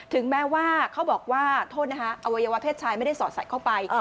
ถึงแม้ว่าเขาบอกว่าโทษนะคะอวัยวะเพศชายไม่ได้สอดใส่เข้าไป